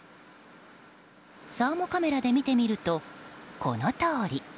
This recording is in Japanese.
サーモカメラで見てみるとこのとおり。